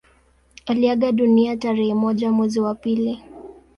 Aliaga dunia tarehe moja mwezi wa pili